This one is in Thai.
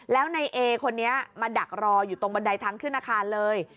แล้วในเอคนนี้มาดักรออยู่ตรงบันไดทางขึ้นอาคารเลย